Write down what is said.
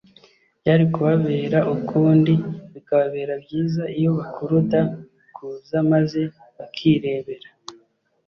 Byari kubabera ukundi, bikababera byiza iyo bakuruda kuza maze bakirebera.